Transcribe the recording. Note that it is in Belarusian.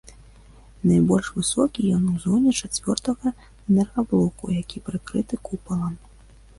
Найбольш высокі ён у зоне чацвёртага энергаблоку, які прыкрыты купалам.